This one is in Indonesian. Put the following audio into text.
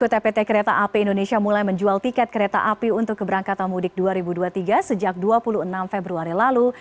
pt pt kereta api indonesia mulai menjual tiket kereta api untuk keberangkatan mudik dua ribu dua puluh tiga sejak dua puluh enam februari lalu